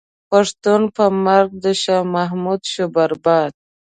پښتون په مرګ د شاه محمود شو برباد.